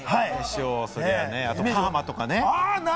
あとパーマとかね。